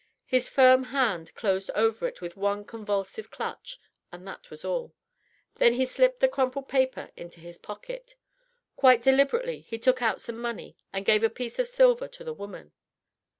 His firm hand closed over it with one convulsive clutch, and that was all. Then he slipped the crumpled paper into his pocket. Quite deliberately he took out some money and gave a piece of silver to the woman.